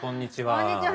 こんにちは。